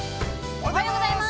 ◆おはようございます。